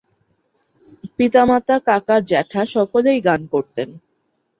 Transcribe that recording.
পিতা-মাতা-কাকা-জ্যাঠা সকলেই গান করতেন।